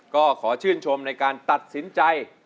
ก็ขอชื่นชมในการตัดสินใจ